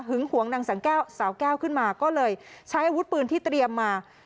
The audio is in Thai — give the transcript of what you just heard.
หวงนางสังแก้วสาวแก้วขึ้นมาก็เลยใช้อาวุธปืนที่เตรียมมา